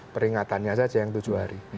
peringatannya saja yang tujuh hari